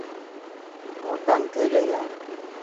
هون تنگ ٿيي گئي هان.